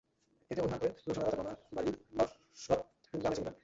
এতে অভিমান করে রওশন আরা তাঁর বাবার বাড়ি নশরৎপুর গ্রামে চলে যান।